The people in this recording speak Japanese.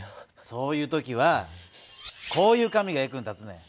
そういう時はこういう紙が役に立つねん。